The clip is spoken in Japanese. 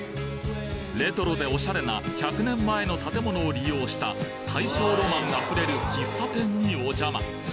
レトロでおしゃれな１００年前の建物を利用した大正浪漫あふれる喫茶店にお邪魔！